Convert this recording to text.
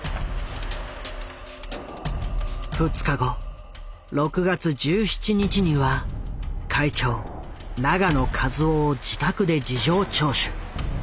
２日後６月１７日には会長永野一男を自宅で事情聴取。